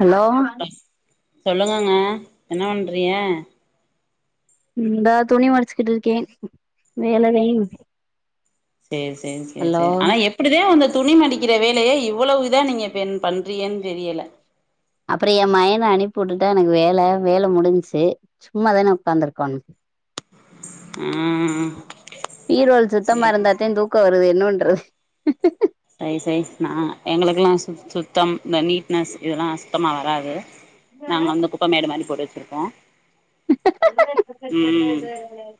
hello சொல்லுங்கங்க என்ன பண்றிய இந்தா துணி மடிச்சுக்கிட்டு இருக்கே வேலை தே சேர் சேரி சேரி சேரி ஆனா எப் எப்படிதே அந்த துணி மடிக்கிற வேலைய இவ்வளவு இதா நீங்க இப்ப என் பண்றீகன் தெரியல அப்புற என் மயன அனுப்பி விட்டுட்டா எனக்கு வேல வேல முடிஞ்சச்சு சும்மா தானே உக்காந்துருக்கனு ம் பீரோல் சுத்தமா இருந்தா தா தூக்க வருது என்னன்றது சை சை நா எங்களுக்கெல்லா சுத்தம் இந்த நீட்னஸ் இதெல்லா சுத்தமா வராது நாங்க வந்து குப்ப மேடு மாதிரி போட்டு வச்சிருப்போ [inaudible]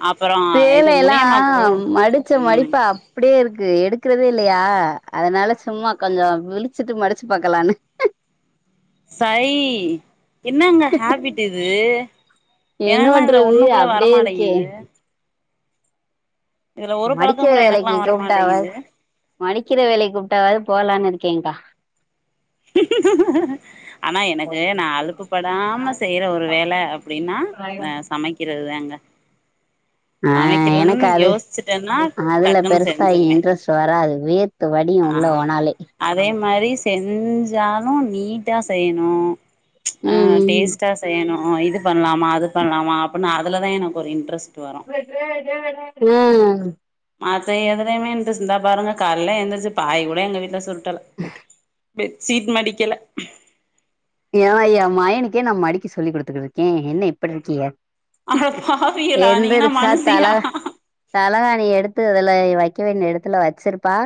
அப்பறோ இது சேலைல்லா முனியம்மாக்கு மடிச்ச ம் மடிப்பா அப்டியே இருக்கு எடுக்கிறதே இல்லையா அதனால சும்மா கொஞ்ச விழிச்சிட்டு மடிச்சு பாக்கலான்னு சை என்னங்க ஹேபிட் இது என்ன ஏன்னா இதுல பண்றது ஒண்ணு கூட அப்டியே இருக்கே வரமாட்டேங்குது இதுல ஒரு பழக்கோ மடிக்கிற கூட வேலைக்கு எனக்கெல்லா கூப்பிட்டாவாது வரமாட்டேங்குது மடிக்கிற வேலை கூப்பிட்டாவது போலான்னு இருக்கேங்க்கா [inaudible] ஆனா எனக்கு நா அழுக்குபடாமே செய்ற ஒரு வேலை அப்டின்னா ஆ சமைக்க க்கிரது தாங்க ஆ எனக்கு சமைக்கிறதுன்னு அது யோசிச்சுட்டேன்னா அதுல டக்குன்னு பெருசா செஞ்சிருவே இன்ட்ரெஸ்ட் வராது வே த்து வடியு ஆ உள்ள போனாலே அதே மாதிரி செஞ்சாலு நீட்டா செய்யணு ஆ ம் டேஸ்டா செய்யணு இது பண்ணலாமா அது பண்ணலாமா அப்டின்னு அதுலதா எனக்கு ஒரு இன்ட்ரெஸ்ட் வரு ம் மத்த எதுலையுமே இன்ரெஸ்ட் இருந்தா பாருங்க காலல்லா எழுந்திரச்சு பாய் கூட எங்க வீட்ல சுருட்டல பெட்சீட் மடிக்கல ஏ என் மயனுக்கே நா மடிக்க சொல்லி் கொடுத்துட்டு இருக்கே என்ன இப்டி இருக்கிய அட பாவியலா நீங்கல்லா எந்திரிச்சா தல மனிசியா தலகாணி எடுத்து அதுல வைக்க வேண்டிய இடத்துல வச்சிருப்பா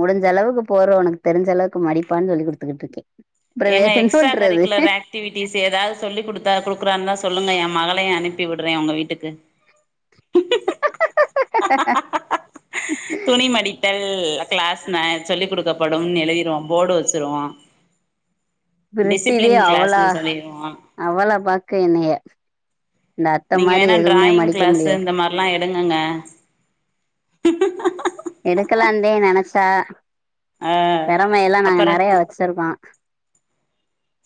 முடிஞ்ச அளவுக்கு போறுவ உனக்கு தெரிஞ்ச அளவுக்கு மடிப்பான்னு சொல்லி் குடுத்துக்கிட்டு இருக்கே அப்றோ வேற ஏங்க என்ன எக்ஸ்ட்ரா பண்றது கரிக்குலர் ஆக் ஆக்டிவிட்டிஸ் ஏதாவது சொல்லி கொடுத்தா கொடுக்குறாருனுதா சொல்லுங்க என் மகளையு அனுப்பி விடுறே உங்க வீட்டுக்கு [inaudible] [inaudible] துணி மடித்தல் கிளாஸ் சொல்லி் கொடுக்கப்படும்னு எழுதிடுவோ போடு வச்சுருவோ பிரிட்டத அவளா கிளாஸ்ன்னு சொல்லிருவோ அவளா பாக்க என்னைய இந்த அத்த மாரி எதுவுமே மடிக்க முடியாது ல்லா எடுங்கங்க எடுக்கலா இருந்தே நெனைச்சா ஆ திறமை எல்லா நாங்க அப்புற நெறைய என்ன வச்சிருக்கோ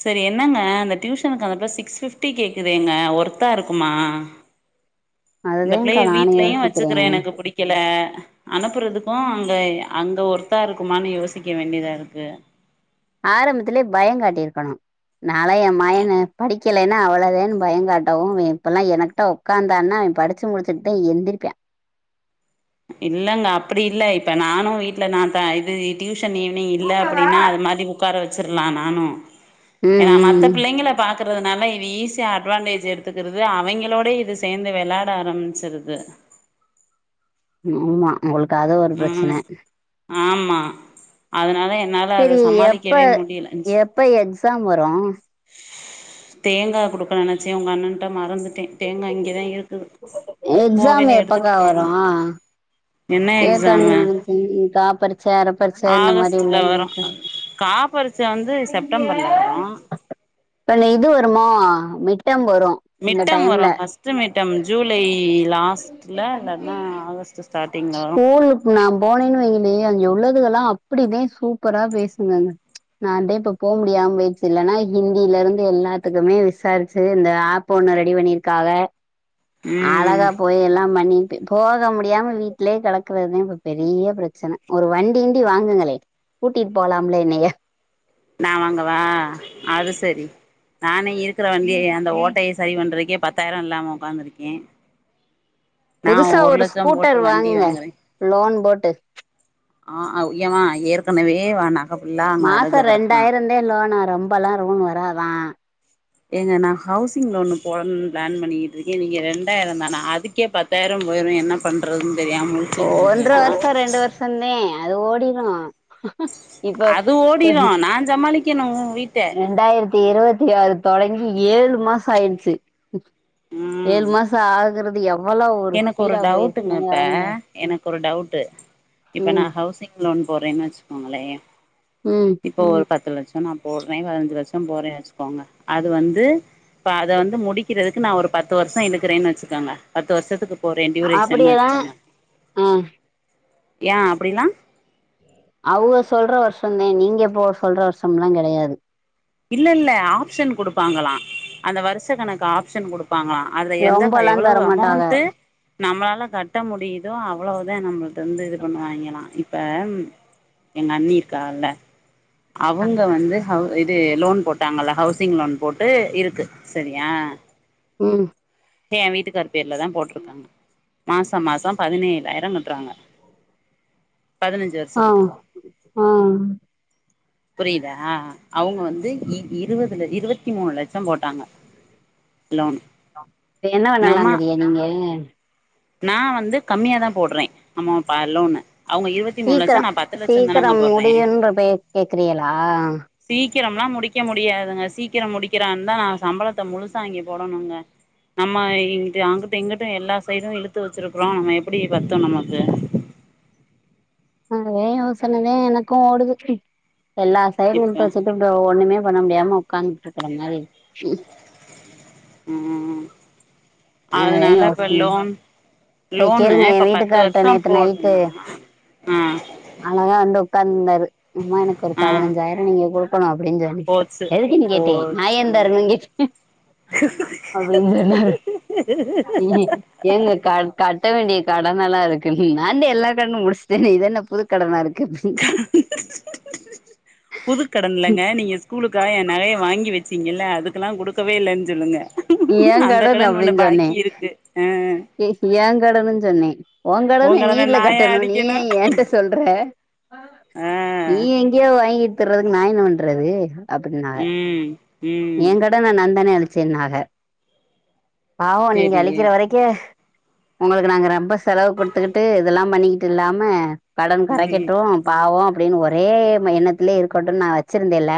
சரி என்னங்க அந்த டியூஷனுக்கு வந்து சிக்ஸ் ஃபிப்டி கேக்குதுங்க ஒர்த்தா இருக்குமா அதுதாகா நானு யோசிக்கிறே கீல அனுப்புறதுக்கு அங்க அங்க ஒருத்தா இருக்குமான்னு யோசிக்க வேண்டியதா இருக்கு ஆரம்பத்துலயே பயம் காட்டியிருக்கணு நால என்மயன படிக்கலைன்னா அவ்வளோதான்னு பய காட்டவு இப்பல்லா எனகிட்ட உக்காந்தா நா அவ படிச்சு முடிச்சுட்டு தா எந்திரப்ப இல்லங்க அப்டி இல்ல இப்ப நானு வீட்ல நா இப்ப இது டியூஷன் லீவு நீ இல்லாட்டியு அப்டின்னா அது மாதிரி உட்கார வச்சிடலா நானு ம் ஏன்னா மற்ற ம் பிள்ளைங்களை பாக்கறதுனால இது ஈஸியா அட்வான்டேஜ் எடுத்துக்கிறது அவங்களோட இது சேர்ந்து விளாட ஆரம் மிச்சுடுது ஆமா உங்களுக்கு அது ஒரு ம் பிரச்சன ஆமா அதனால என்ன செரி எப்ப எப்ப எக்ஸாம் வரு தேங்கா குடுக்கணுன் நெனைச்சே உங்க அண்ணன்ட்ட மறந்துட்டே தேங்கா இங்கேதா இருக்குது எக்ஸாம் போவேல எடுத்துட்டு எப்பக்கா வரு போலான்ட்டு என்ன எக்ஸ் [unintelligible] நெனச்சே காப்பரிட்ச்ச அரப்பரி பரிச்ச இந்த மாரி ஆகஸ்ட்ல வரு உள்ளது கா பரிச்ச வந்து செப்டம்பர்ல வரு இப்பனி இது வருமா மிட்டம் வரு இந்த மிட்டம் டைம்ல வரும் ஃபர்ஸ்ட்டு மி ட்டம் ஜூலை லாஸ்ட்ல இல்லன்னா ஆகஸ்டு ஸ்டார்ட்டிங்ல வரு நா போனேன்னு வைங்களே அங்க உள்ளதுகல்லா அப்டிதே சூப்பரா பேசுங்கங்க நா தே இப்ப போ முடியாமலே போயிடுச்சு இல்லன்னா ஹிந்திலருந்து எல்லாத்துக்குமே விசாரிச்சு இந்த ஆப் பபு ஒண்ணு ரெடி பண்ணியிருக்காக ம் அழகா போ போய் எல்லாம் பண்ணிட்டு போக முடியாமல் வீட்லயே கடக்கறதுதா இப்ப பெரிய பிரச்சன ஒரு வண்டிகிண்டி வாங்குங்களே கூட்டிட்டு போலாம்ல என்னய ந வாங்க வா அது செரி நானே இருக்கிற வண்டிய அந்த ஓட்டைய சரி பண்ணுறதுக்கே பத்தாயிரொ இல்லாம உக்காந்துருக்கே நா புதுசா ஒரு லட்சம் போட்டு ஸ்கூட்டர் வண்டி வாங்குங்க வாங்குறே லோன் போட்டு ஆ யமா ஏற்கனவே நகைஃபுல்லா அங்க அடகுல கடக்குதா டே லோனா ரொம்பல்லா லோன் வராதா ஏங்க நா ஹவுசிங் லோனு போடனுன் ப்ளான் பண்ணிக்கிட்ருக்கே நீங்க ரெண்டாயிரந் தானா அதுக்கே பத்தாயிரம் போயிரும் என்ன பண்றதுன்னு தெரியாம மு ஓ ஒன்ற வருஷொ ரெண்டு வருஷொந்தே அது ஓடிடு அது ஓடிடரு நா சமாளிக்கணு வீட் ரெண்டாயிரத்தி இருவத்தி ஆறு தொடங்கி ஏழு மாசொ ஆயிடுச்சு ம் ஏழு மாசொ ஆகறது எப் எனக்கு ஒரு டவுட்டுங்கப்ப எனக்கு ஒரு டவுட்டு இப்ப நா ம் ஹவுசிங் லோன் போட்றேன்னு வச்சுக்கோங்களே ம் இப்போ ஒரு பத்து லட்சம் நா போறேன் பதினஞ்சு லட்சம் போறேனு வச்சுக்கோங்க அது வந்து ப்ப அத வந்து முடிக்கிறதுக்கு நா ஒரு பத்து வருஷொ எடுக்கிறேன்னு வச்சுக்கோங்க பத்து வருஷத் போரேன் ட்யூரேஷன்னு அப்படியேதா வச்சுக்கங்க ஆ ஏ அப்டில்லா அவுக சொல்ற வருஷொந்தே நீங்க போ சொல்ற வருஷம்லா கெடையாது இல்ல இல்ல ஆப்ஷன் குடுப்பாங்களா அந்த வருஷ கணக்கு ஆப்ஷன் குடுப்பாங்களா அதுல எந்தக்கா ரொம்பல்லா எவ்வளவு தரமாட்டாக அமௌன்ட்டு நம்மளால கட்ட முடியுதோ அவ்வளவுதே நம்மள்ட்ட வந்து இது பண்ணுவாங்கலா இப்ப எங்க அண்ணி இருக்காகல்ல அவுங்க வந்து ஹவு இது லோன் போட்டாங்கல்ல ஹவுசிங் லோன் போட்டு இருக்கு சரியா ம் ஏன் வீட்டுக்கார் பேர்லதா போட்ருக்காங்க மாச மாசம் பதினேழாயிரங் கட்றாங்க பதினஞ்ச ஆ ஆ புரியிதா அவுங்க வந்து இ இருவதுல இருவத்தி மூணு லட்சம் போட்டாங்க லோன் என்ன நம்ம பண்ணலாங்கிறிய நீங்க நா வந்து கம்மியா தா போட்றே அமௌபா லோன்னு அவுங்க இருவத் சீக்கிரோ சீக்கிரோ முடியுன்ற பே கேக்கிறியலா சீக்கிரம்ல்லா முடிக்க முடியாதுங்க சீக்கிரம் முடிக்கிறாருந்தா நா சம்பளத்த முழுசா வாங்கி போடணுங்க நம்ம இங் அங்கட்டு இங்கிட்டு எல்லா சைடு இழுத்து வச்சிருக்கிறோ நம்ம எப்டி பத்து நமக்கு அதே யோசனதா எனக்கு ஓடுது எல்லா சைடு இப்ப இழுத்து வச்சிட்டு தோ ஒண்ணுமே பண்ண முடியாம உக்காந்துட் இருக்குற மாரி இருக்கு ம் அதே அதனால இப்ப யோசன லோன் இத லோனு கேளுங்க என் இப்போ பத்து வீட்டுக்கார்ட்ட வருஷோ நேத்து நைட்டு போடுனா ஆ அழகா வந்து உக்காந்துந்தாரு ம்மா எனக்கு ஒரு ஆ பதினஞ்சாயிரோ நீங்க குடு போனு அப்டின்னு சொல்லி போச்சு எதுக்கினு கேட்டே நாயே போச்சு தரனு கேட்டே அப்டின்னு சொன்னாரு ஏங்க கட் கட்ட வேண்டிய கடனெல்லா இருக்கு நாதே எல்லா கடனு முடிச்சட்டனே இத என்ன புது கடனா இருக்கு அப்டின்னுச்சு புதுக்கடன் இல்லைங்க சொன்னேன் நீங்க ஸ்கூலுக்காக ஏ நகையை வாங்கி வச்சீங்கல்ல அதுக்கெல்லா குடுக்கவே இல்லன்னு சொல்லுங்க ஏன் அந்த கடன் உன்ன அப்படின்னு பாக்கி சொன்னேன் இருக்கு அ ஏ ஏன் கடடுனு சொன்னே உன் கடன உங்களன நீல்ல நாயா கட்டணு நீ அடிக்கணு ஏன் என்கிட்ட சொல்ற ஆ நீ எங்கியே வாங்கிட்டு திர்றதுக்கு நா என்ன பண்றது அப்டின்னாங்க ம் ம் ஏ கடன நா தானே அடச்சேன்னாக பாவு நீங்க செரி அழிக்கிற வரைக்க உங்களுக்கு நாங்க ரொம்ப செலவு குடுத்துக்கிட்டு இதெல்லா பண்ணிக்கிட்டு இல்லாம கடன் ம் கரைக்கட்டு பாவோ அப்டின்னு ஒரே எண்ணத்துலயே இருக்கட்டுனு நா வச்சிருந்தேன்ல்ல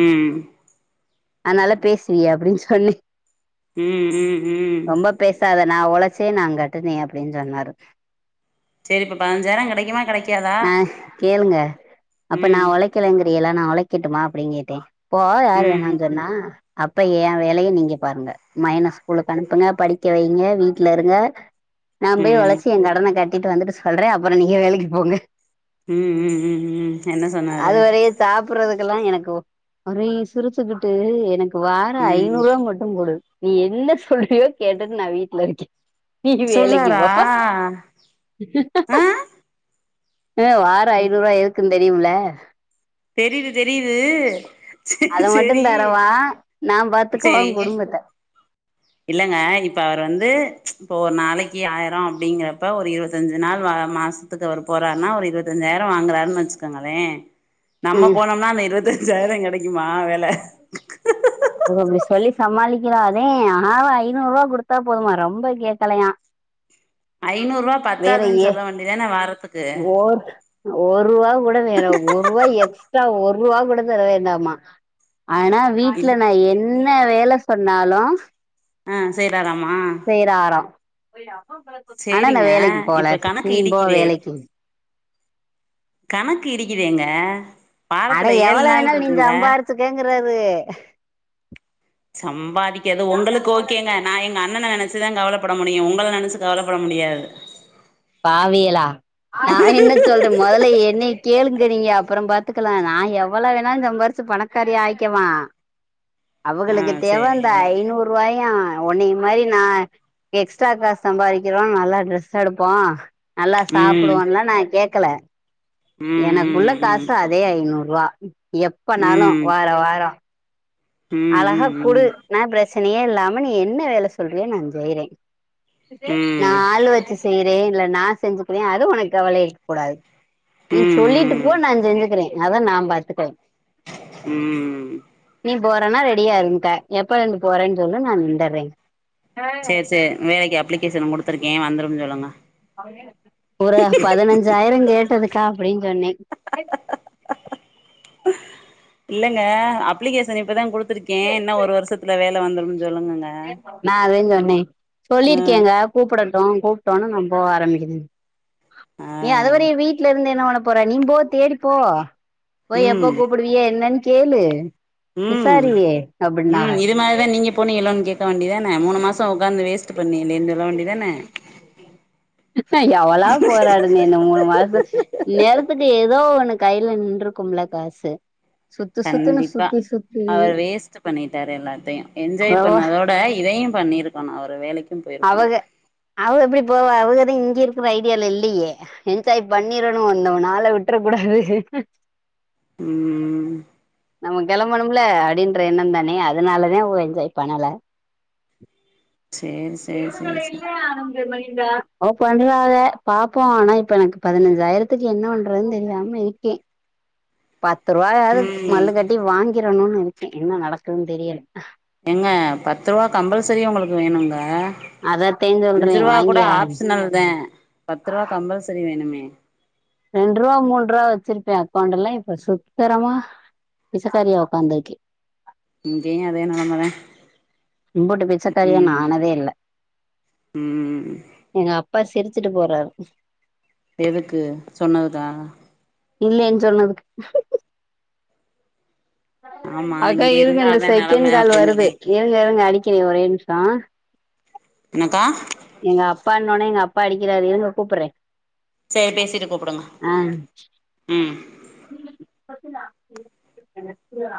ம் அதனால பேசுவியே அப்டின்னு சொன்னே ம் ம் ம் ரொம்ப பேசாத நா ஒழச்சே நா கட்டுனே அப்டின்னு சொன்னாரு சேரி இப்ப பாஞ்சாயிரோ கெடைக்குமா கெடைக்காதா நா கேளுங்க அப்ப நா ம் ஒழைக்கிலங்கிறல்லா நா ஒழைக்கட்டுமா அப்டின்னு கேட்டே போ யார் வேணா ம் னா அப்ப ஏ வேலைய நீங்க பாருங்க மையன ஸ்கூல்ல அனுப்புங்க படிக்க வைங்க வீட்ல இருங்க நா போய் ம் ம் ஒழைச்சி ஏ கடன கட்டிட்டு வந்துட்டு சொல்றே அப்றோ நீங்க வேலைக்கு போங்க ம் ம் ம் ம் என்ன சொன்னாரு சாப்பிறதுக்கெல்லா எனக்கு ஒர சிறுச்சுக்கிட்டு எனக்கு வாரோ ம் ஐநூறு ரூவா மட் டு குடு நீ என்ன சொல்றியோ கேட்டுட்டு நா வீட்ல இருக்கே நீ வேலைக்கு சொல்றாரா போ ஆ ஆ வாரோ ஐநூறு ரூவா எதுக்குன்னு தெரியும்ல தெரிது தெரிது அத மட்டு தரவா நா பாத்துக்குவ குடும்பத்த இல்லைங்க இப்ப அவரு வந்து இப்போ ஒரு நாளைக்கு ஆயிரோ அப்டிங்கறப்ப ஒரு இருவத்தெஞ்சு நாள் மாச த்துக்கு அவர் போறாருன்னா ஒரு இருபத்தஞ்சாயிரோ வாங்குறாருனு வச்சுக்கோங்களே [inaudible] நம்ம போனோம்னா அந்த இருவத்தெஞ்சாயிரோ கெடைக்குமா வேல ஓ அப்டி சொல்லி சமாளிக்கிற அதே வாரோ ஐநூறு ரூவா குடுத்தா போதுமா ரொம்ப கேக்கலையா [inaudible] ஐநூறு ரூவா வேற பத்தாதுன்னு ஏ சொல்ல வேண்டியதான வாரத்துக்கு ஒரு ரூவா கூட வேணா ஒரு ரூவா எக்ஸ்ட்ரா ஒரு ரூவா கூட தர வேண்டாமா ஆனா இல் வீட்ல நா என்ன வேல சொன்னாலு அ செய்ராராமா செய்ராரா அனா நா சேரிங்க வேலைக்கு போல இப்ப கணக்கு நீ போ இடிக்குதே வேலைக்கு கணக்கு இடிக்குதேங்க அட வாரத்துல ஏழு எவ்வள நாள் வேணாலு நீ இருக்குங்க சம்பாரிச்சுக்குங்றாரு சம்பாதிக்காது ஒங்களுக்கு ஓகேங்க நா எங்க அண்ணன நெனச்சுதா கவலப்பட முடியு உங்கள நெனச்சு கவலப்பட முடியாது பாவியலா நா என்ன சொல்றம் மொதல்ல என்னைய கேளுங்க நீங்க அப்பறோ பாத்துக்கலா நா எவ்வள வேணாலு சம்பாரிச்சு பணக்காரி ஆயிக்குவா ஆ அவுகளுக்கு தேவ இந்த சேரி ஐநூ ரூவாயூ உன்னைய மாரி நா எக்ஸ்ட்ரா காசு சம்பாரிக்கறோ நல்லா டிரெஸ் எடுப் போ நல்லா ம் சாப்புடுவோண்லா நா கேக்கல ம் எனக்குள்ள ம் ம் காசு அதே ஐநூருவா எப்பனாலு ம் வார வாரோ ம் ம் அழகா குடு ம் நா பிரஸ்சனயே இல்லாம நீ என்ன வேல சொல்றியோ நா ஜெய்றே நா ம் ஆள்ளு வச்சு செய்றே இல்ல நா செஞ்சுக்கறே அது உனக்கு கவலை இருக்ககூடாது ம் நீங் சொல்லீட்டு ம் போ நா செஞ்சுக்கிறே அத நா பாத்துக்கறே ம் நீ போறன்னா ரெடியா இருன்ட்ட எப்பலந்து போறன் சொல்லு நா நின்டர்ற சேர் சேர் வேலைக்கு அப்ளிகேஷன் குடுத்துருக்கே வந்துரும் சொல்லுங்க ஒரு பதினஞ்சாயிர கேட்டதுக்கா அப்படின் சொன்னே இல்லங்க அப்ளிகேசன் இப்பதா குடுத்துருக்கே இன்னு ஒரு வருசத் இல்ல வேல வந்துரும்ன்னு சொல்லுங்கங்க நா அதயூ சொன்னே சொல்லிருக்கேங்க கூப்படட்டு கூப்ட்டோன்னே நா போவ ஆரம்பிக்குதுன் ஆ ஏ அதவிட ஆ ஏ வீட்ல இருந்து என்ன பண்ண போற நீம்போ தேடிப்போ போய் எப்ப ம் கூப்புடுவிய என்னன் கேளு ம் விசாரி அப்டின்னாங்க ம் இது மாதிரிதா நீங்க போனிகளோன் கே க்க வேண்டிதான மூனு மாசோ உக்காந்து வேஸ்ட் பண்ணிகளே [unintelligible] எவ்வளோ போராடுன இந்த மூணு மாசோ இன்நேரத்துக்கு ஏதோ ஒன்னு கைல நின்றுக்குமுள்ள காசு சுத்து சுத்துன்னு கண்டிப்பா சுத்தி சுத்தி அவர் வேஸ்ட் பண்ணிட்டார் எல்லாத்தையு என்ஜாய் அவ பண்ணதோ இப்ப இதையு பண்ணிருக்கணு அவரு வேலைக்கு போயிருக்கணு அவக அவ எப்படி போவா அவுகதா இங்க இருக்கற ஐடியால இல்லயே என்ஜாய் பண்ணீரணு அந்த நாள விட்டர கூடாது ம் ம் நம்ம கெளம்பணுமுல்ல அப்டின்ற எண்ணம் தானே அதனாலதே ஒ என்ஜாய் பண்ணல சேரி சேரி சேரி சேரி [unintelligible] ஓ பண்றாக பாப்போ அனா இப்ப எனக்கு பதினஞ்சாயிரத்துக்கு என்ன பண்றதுன் தெரியாம இருக்கே பத்து ருவாயாது ம் மல்லு கட்டி வாங்கிரனுன் இருக்கே என்ன நடக்குதுன் தெரியல எங்க பத்து ருவா கம்பல்சரி உங்களுக்கு வேணுங்க அதத்தே சொல்றே அஞ்சுருவா கூட வாங்கி ஆகணு ஆப்ஷனல் தெ பத்ருவா கம்பல்சரி வேணுமே ரெண்ருவா மூண்ருவா வச்சிருப்பே அக்கௌண்ட்டல்லா இப்ப சுத்ரமா பிச்சக்காரியா உக்காந்துருக்கே இங்கியூ அதே நலமதா இன்புட்டு பிச்சகாரியா நா ஆனதே இல்ல ம் எங்க அப்பா சிரிச்சுட்டு போறாரு எதுக்கு சொன்னதுக்கா இல்லேன் சொன்னதுக்கு ஆமா அக்கா இங்க இருங்க இருந்தா இந்த அதா செகெண்ட் நெலம கால் அப்டின்னு வருது சொல்லிருக்காரு இருங்க இருங்க அடிக்கிரே ஒரே நிமிஷோ என்னக்கா எங்க அப்பானோனே எங்க அப்பா அடிக்கிறாரு இருங்க கூப்புறே சேரி பேசிட்டு கூப்புடுங்க ஆஹ் ம்